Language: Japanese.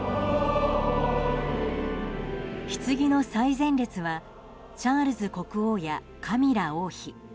ひつぎの最前列はチャールズ国王やカミラ王妃。